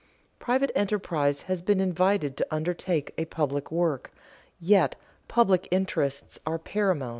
Private enterprise has been invited to undertake a public work, yet public interests are paramount.